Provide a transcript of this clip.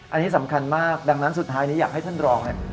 อันนี้สำคัญมากดังนั้นสุดท้ายนี้อยากให้ท่านรองเนี่ย